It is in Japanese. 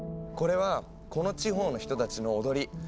これはこの地方の人たちの踊り。